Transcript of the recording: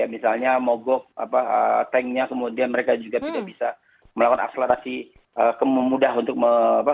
misalnya mogok tanknya kemudian mereka juga tidak bisa melakukan akselerasi kemudian mudah untuk mengurangkan